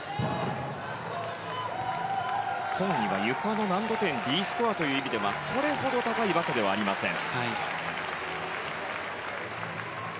ソン・イはゆかの難度点Ｄスコアという意味ではそれほど高いわけではありません。